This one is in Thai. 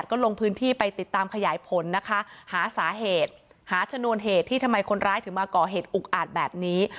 ก็ลงพื้นที่ไปติดตามขยายผลนะคะหาสาเหตุหาชนวนเหตุที่ทำไมคนร้ายถึงมาก่อเหตุอุกอาจแบบนี้